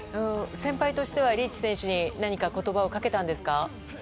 先輩としてはリーチ選手に何か言葉をかけたんですか。